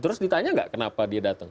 terus ditanya nggak kenapa dia datang